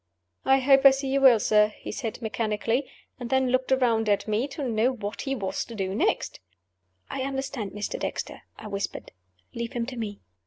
"I hope I see you well, sir," he said, mechanically and then looked around at me, to know what he was to do next. "I understand Mr. Dexter," I whispered. "Leave him to me."